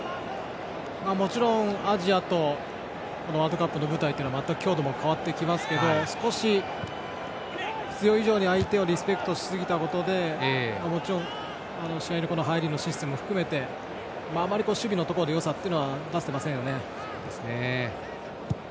もちろんアジアとワールドカップの舞台は全く強度も変わってきますけど少し必要以上に相手をリスペクトしすぎたことで試合の入りのシステムも含めてあまり守備のところでよさは出せていませんよね。